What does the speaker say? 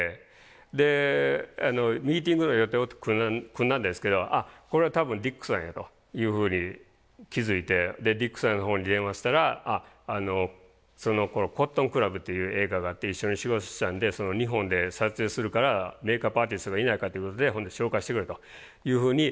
でミーティングの予定を組んだんですけどあっこれは多分ディックさんやというふうに気付いてでディックさんのほうに電話したらそのころ「コットンクラブ」っていう映画があって一緒に仕事したんで日本で撮影するからメイクアップアーティストがいないかっていうことで紹介してくれというふうに。